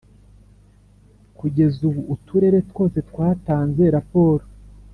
Kugeza ubu Uturere twose twatanze raporo.